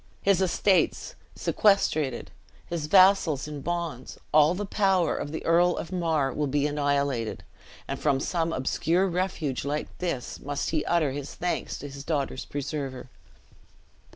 His estates sequestrated, his vassals in bonds, all power of the Earl of Mar will be annihilated; and from some obscure refuge like this, must he utter his thanks to his daughter's preserver."